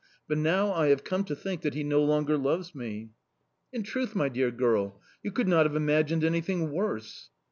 But, now, I have come to think that he no longer loves me.' "'In truth, my dear girl, you could not have imagined anything worse!